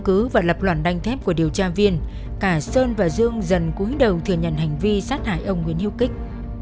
cả sơn và dương dần cuối đầu thừa nhận hành vi sát hại ông nguyễn hiếu kích